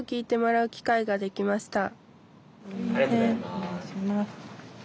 おねがいします。